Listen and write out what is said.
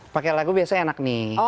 pakai lagu biasanya enak nih